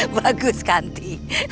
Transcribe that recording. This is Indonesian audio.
bagus kan ti